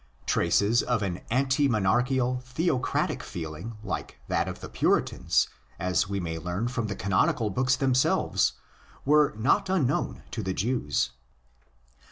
Traces of an anti monarchical theocratic feeling like that of the Puritans, as we may learn from the canonical books themselves, were not unknown to the Jews.